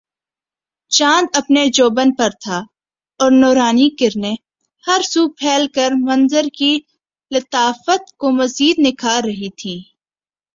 چاند اپنے جوبن پر تھا اور نورانی کرنیں ہر سو پھیل کر منظر کی لطافت کو مزید نکھار رہی تھیں